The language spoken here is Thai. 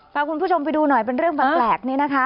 พาคุณผู้ชมไปดูหน่อยเป็นเรื่องแปลกนี้นะคะ